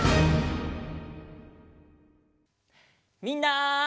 みんな。